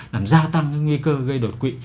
làm gia tăng cái nguy cơ gây đột quỵ